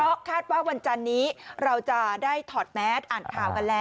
เพราะคาดว่าวันจันนี้เราจะได้ถอดแมสอ่านข่าวกันแล้ว